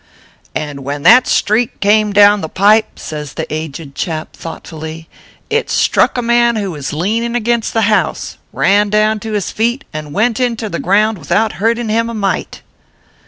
" And when that streak came down the pipe," says the aged chap, thoughtfully, "it struck a man who was leaning against the house, ran down to his feet, and went into the ground without hurting him a mite